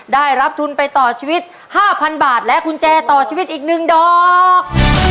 ได้รับทุนไปต่อชีวิต๕๐๐๐บาทและกุญแจต่อชีวิตอีก๑ดอก